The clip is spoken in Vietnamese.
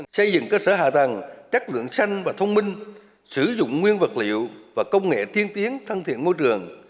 xây dựng cơ sở hạ tầng chất lượng xanh và thông minh sử dụng nguyên vật liệu và công nghệ tiên tiến thân thiện môi trường